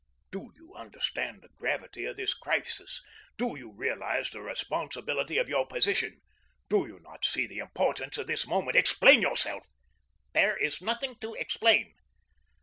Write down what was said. Do you understand the gravity of this crisis; do you realise the responsibility of your position; do you not see the importance of this moment? Explain yourself." "There is nothing to explain."